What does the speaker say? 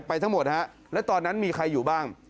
ทั้งหมดฮะแล้วตอนนั้นมีใครอยู่บ้าง